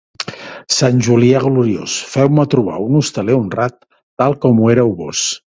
Sant Julià gloriós, feu-me trobar un hostaler honrat, tant com ho éreu vós.